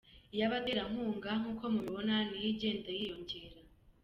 Iy’abaterankunga nk’uko mubibona niyo igenda yiyongera .